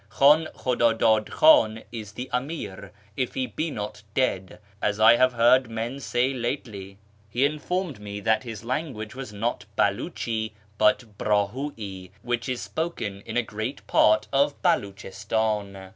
Khi'in Khudi'idi'id Xh;in is the Amir, if he be not dead, as I have heard men say lately." He farther informed me that his language was not Beh'ichi but Brahu'i, which is spoken in a great part of Beluchistan.